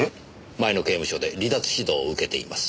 前の刑務所で離脱指導を受けています。